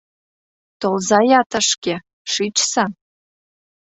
Толза-я тышке, шичса.